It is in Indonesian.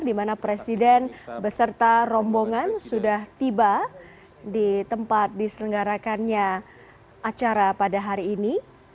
di mana presiden beserta rombongan sudah tiba di tempat diselenggarakannya acara pada hari ini